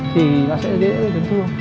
thì nó sẽ dễ đến thua